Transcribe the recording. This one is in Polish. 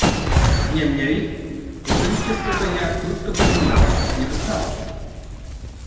Niemniej, oczywiście strategia krótkoterminowa nie wystarczy